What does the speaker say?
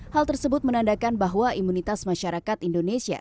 hal tersebut menandakan bahwa imunitas masyarakat indonesia